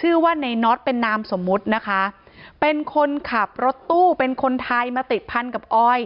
ชื่อว่าในน็อตเป็นนามสมมุตินะคะเป็นคนขับรถตู้เป็นคนไทยมาติดพันกับออย